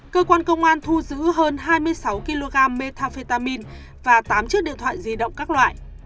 cơ quan công an thu giữ hơn hai mươi sáu kg metafetamin và tám chiếc điện thoại di động các loại